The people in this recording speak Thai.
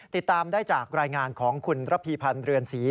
ติดตามได้จากรายงานของคุณระพีพันธ์เรือนศรี